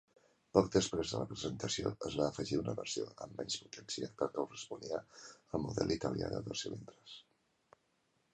Poc després de la presentació, es va afegir una versió amb menys potència que corresponia al model italià de dos cilindres.